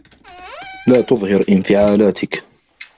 لا تظهر انفعالاتك.